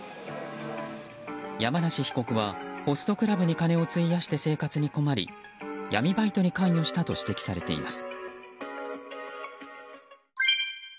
山梨被告はホストクラブに金を費やして金に困り闇バイトに関与したと指摘されています。